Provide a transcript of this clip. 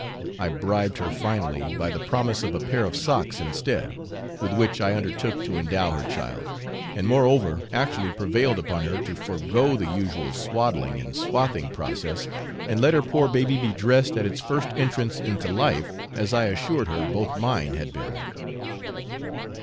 I bribed her finally, by the promise of a pair of socks instead, with which I undertook to endow her child, and, moreover, actually prevailed upon her to forego the usual swaddling and swathing process, and let her poor baby be dressed at its first entrance into life as I assured her both mine had been.